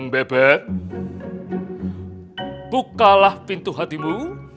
bebek bukalah pintu hatimu